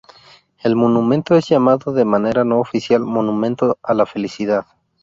El monumento es llamado de manera no oficial: "Monumento a la felicidad".